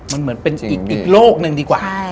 มันเหมือนเป็นอีกโลกหนึ่งดีกว่า